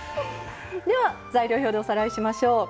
材料表でおさらいしましょう。